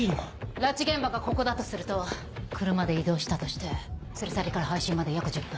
拉致現場がここだとすると車で移動したとして連れ去りから配信まで約１０分。